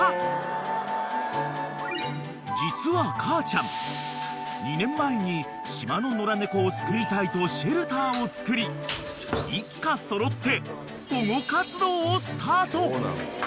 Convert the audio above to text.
［実は母ちゃん２年前に島の野良猫を救いたいとシェルターをつくり一家揃って］